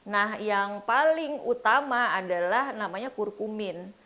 nah yang paling utama adalah namanya kurkumin